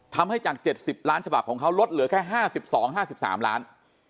ทำให้จาก๗๐ล้านฉบับของเขาลดเหลือแค่๕๒๕๓ล้าน